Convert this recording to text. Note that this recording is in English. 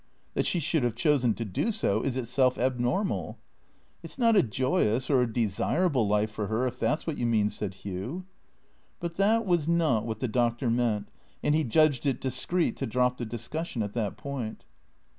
" That she should have chosen to do so is itself abnormal." " It 's not a joyous or a desirable life for her, if that 's what you mean," said Hugh. But that was not what the Doctor meant, and he judged it discreet to drop the discussion at that point.